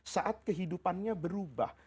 saat kehidupannya berubah